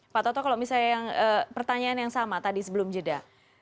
pak toto kalau misalnya pertanyaan yang sama tadi sebelum jeda